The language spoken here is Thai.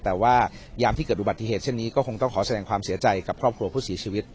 แต่ว่ายามที่เกิดอุบัติเหตุเช่นนี้ก็คงต้องขอแสดงความเสียใจกับครอบครัวผู้เสียชีวิต